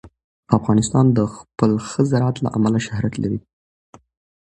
افغانستان د خپل ښه زراعت له امله شهرت لري.